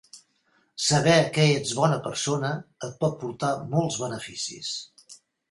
Saber que ets bona persona et pot portar molts beneficis